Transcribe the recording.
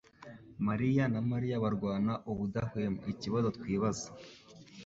mariya na Mariya barwana ubudahwema ikibazo twibaza